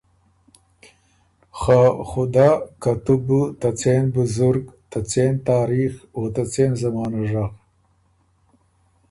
خه خُدۀ که تُو بو ته څېن بزرګ، ته څېن تاریخ، او ته څېن زمانۀ ژغ۔